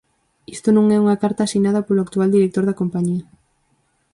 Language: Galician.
Isto non é unha carta asinada polo actual director da Compañía.